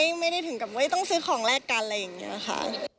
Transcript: ไม่ได้ถึงกับไม่ต้องซื้อของแลกกันอะไรอย่างนี้ค่ะ